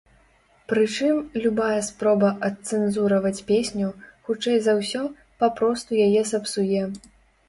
Прычым, любая спроба адцэнзураваць песню, хутчэй за ўсё, папросту яе сапсуе.